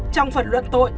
trong phần luật